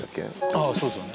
ああそうですよね